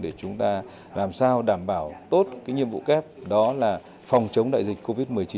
để chúng ta làm sao đảm bảo tốt cái nhiệm vụ kép đó là phòng chống đại dịch covid một mươi chín